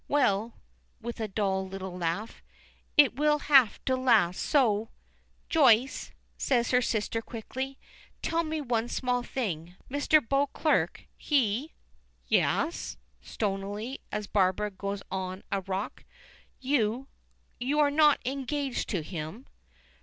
Well," with a dull little laugh, "it will have to last, so " "Joyce," says her sister, quickly, "tell me one small thing. Mr. Beauclerk he " "Yes?" stonily, as Barbara goes on a rock. "You you are not engaged to him?"